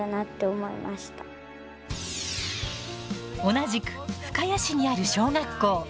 同じく深谷市にある小学校。